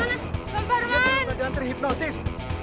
dia mau keantre hipnotis